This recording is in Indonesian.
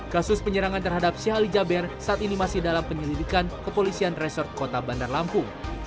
kasus penyerangan terhadap sheikh ali jaber saat ini masih dalam penyelidikan kepolisian resort kota bandar lampung